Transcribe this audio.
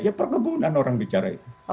ya perkebunan orang bicara itu